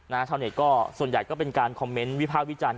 ชาวเน็ตก็ส่วนใหญ่ก็เป็นการคอมเมนต์วิภาควิจารณ์